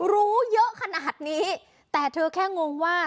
รู้เยอะขนาดนี้แต่เธอแค่งงว่า